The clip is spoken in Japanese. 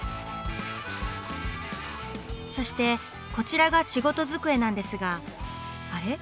そしてこちらが仕事机なんですがあれ？